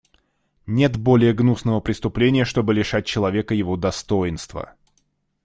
Нет более гнусного преступления, чтобы лишать человека его достоинства.